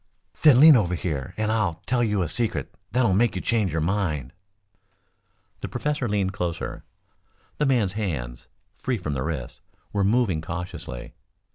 "Then lean over here and I'll tell you a secret that'll make you change your mind." The professor leaned closer. The man's hands, free from the wrists, were moving cautiously.